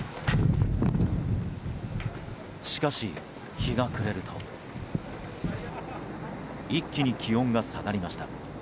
しかし、日が暮れると一気に気温が下がりました。